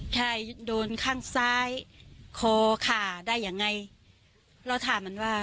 ใช่โดนข้างซ้ายคอขาได้ยังไงเราถามมันว่า